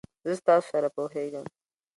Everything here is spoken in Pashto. زه ستاسو سره پوهیږم.